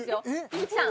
弓木さん